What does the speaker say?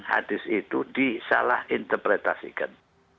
hadis itu disalah interpretasikan